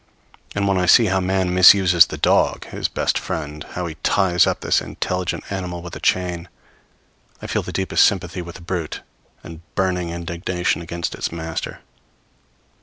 And when I see how man misuses the dog, his best friend; how he ties up this intelligent animal with a chain, I feel the deepest sympathy with the brute and burning indignation against its master.